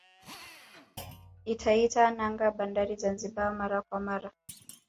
Itatia nanga bandarini Zanzibar mara kwa mara